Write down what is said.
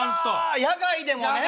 あら野外でもね。